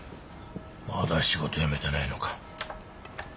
まだ仕事やめてないのか。